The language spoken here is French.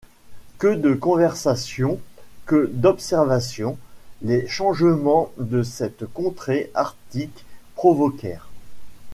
Que de conversations, que d’observations, les changements de cette contrée arctique provoquèrent!